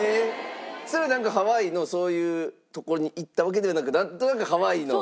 それはハワイのそういう所に行ったわけではなくなんとなくハワイの空気を？